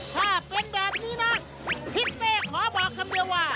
ถ้าเป็นแบบนี้นะทิศเป้ขอบอกคำเดียวว่า